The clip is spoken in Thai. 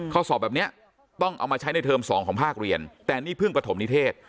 ข้อสอบแบบนี้ต้องเอามาใช้ในเทอม๒ของภาคเรียนแต่นี่เพิ่งปฐมนิเทศ